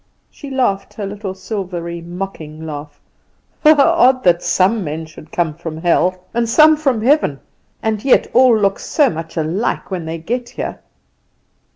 She laughed her little silvery, mocking laugh. "Odd that some men should come from hell and some from heaven, and yet all look so much alike when they get here."